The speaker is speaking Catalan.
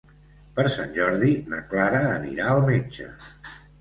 Per Sant Jordi na Clara anirà al metge.